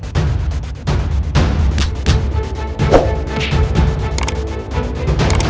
jangan lagi membuat onar di sini